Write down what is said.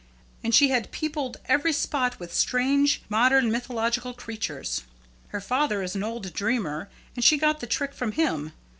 And she had peopled every spot with strange modern mythological creatures. Her father is an old dreamer, and she got the trick from him.